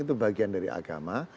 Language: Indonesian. itu bagian dari agama